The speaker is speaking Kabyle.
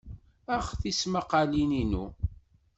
Ax tismaqalin-inu.